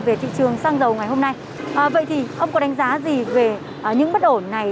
về thị trường xăng dầu ngày hôm nay vậy thì ông có đánh giá gì về những bất ổn này